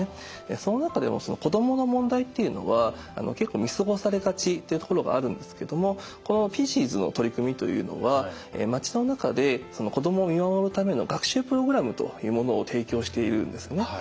その中でも子どもの問題っていうのは結構見過ごされがちっていうところがあるんですけどもこのＰＩＥＣＥＳの取り組みというのは町の中で子どもを見守るための学習プログラムというものを提供しているんですね。